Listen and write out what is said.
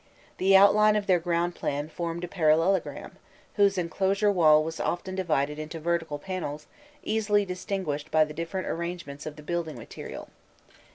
The outline of their ground plan formed a parallelogram, whose enclosure wall was often divided into vertical panels easily distinguished by the different arrangements of the building material.